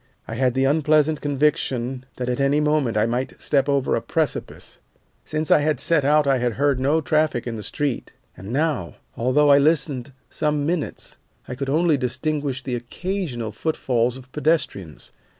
I had the unpleasant conviction that at any moment I might step over a precipice. Since I had set out I had heard no traffic in the street, and now, although I listened some minutes, I could only distinguish the occasional footfalls of pedestrians.